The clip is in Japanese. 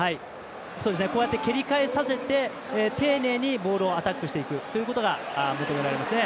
蹴り返させて、丁寧にボールをアタックしていくことが求められますね。